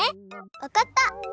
わかった！